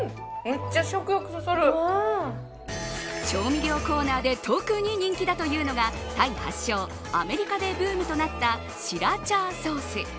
調味料コーナーで特に人気だというのがタイ発祥アメリカでブームとなったシラチャーソース。